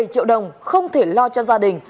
bảy triệu đồng không thể lo cho gia đình